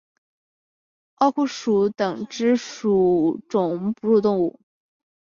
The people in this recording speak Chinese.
奥库鼠属等之数种哺乳动物。